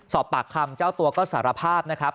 สอบปากคำเจ้าตัวก็สารภาพนะครับ